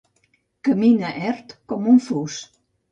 Camina ert com un fus.